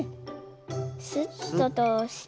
スッととおして。